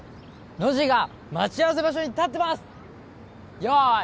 ノジが待ち合わせ場所に立ってますよーい